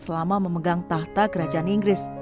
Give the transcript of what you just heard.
selama memegang tahta kerajaan inggris